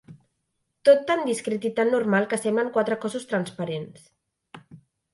Tot tan discret i tan normal que semblen quatre cossos transparents.